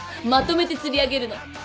まとめて釣り上げるの。